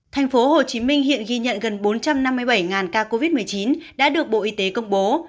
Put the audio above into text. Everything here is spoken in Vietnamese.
tp hcm hiện ghi nhận gần bốn trăm năm mươi bảy ca covid một mươi chín đã được bộ y tế công bố